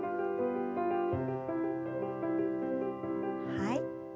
はい。